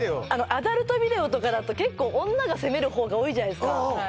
アダルトビデオとかだと結構女が攻める方が多いじゃないっすか